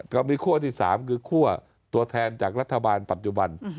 ก็มีคั่วที่๓คือคั่วตัวแทนจากรัฐบาลปัจจุบัน